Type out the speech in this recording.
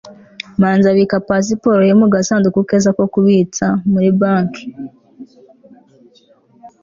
manzi abika pasiporo ye mu gasanduku keza ko kubitsa muri banki